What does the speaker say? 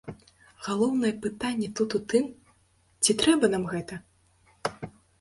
Галоўнае пытанне тут у тым, ці трэба нам гэта?